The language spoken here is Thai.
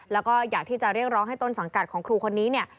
แล้วก็อยากที่จะเรียกร้องให้ต้นสังกัดของครูคนนี้เนี่ย